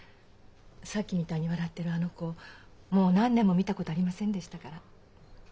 さっきみたいに笑ってるあの子もう何年も見たことありませんでしたから。